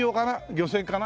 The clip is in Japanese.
漁船かな？